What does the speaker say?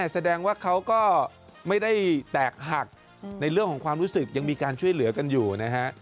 แสดงว่าเขาก็ไม่ได้แตกหักในเรื่องของความรู้สึกยังมีการช่วยเหลือกันอยู่นะฮะ